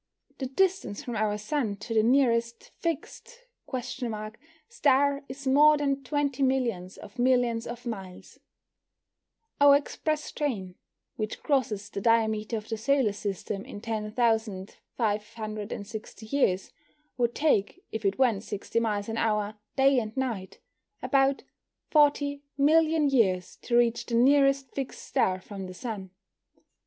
The distance from our Sun to the nearest fixed (?) star is more than 20 millions of millions of miles. Our express train, which crosses the diameter of the solar system in 10,560 years, would take, if it went 60 miles an hour day and night, about 40 million years to reach the nearest fixed star from the Sun.